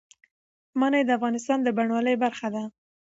منی د افغانستان د بڼوالۍ برخه ده.